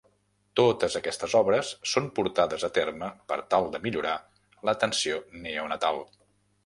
Totes aquestes obres són portades a terme per tal de millorar l'atenció neonatal.